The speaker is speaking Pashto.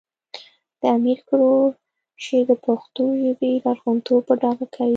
د امیر کروړ شعر د پښتو ژبې لرغونتوب په ډاګه کوي